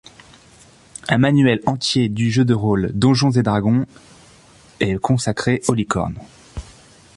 Un manuel entier du jeu de rôle Donjons et Dragons est consacré aux licornes.